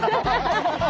ハハハハ。